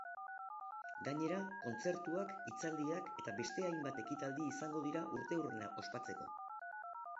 Gainera, kontzertuak, hitzaldiak eta beste hainbat ekitaldi izango dira urteurrena ospatzeko.